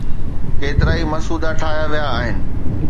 ڪيترائي مسودا ٺاهيا ويا آهن.